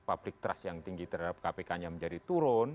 public trust yang tinggi terhadap kpk nya menjadi turun